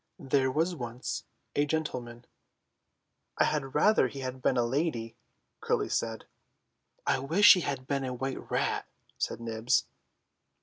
"There was once a gentleman—" "I had rather he had been a lady," Curly said. "I wish he had been a white rat," said Nibs.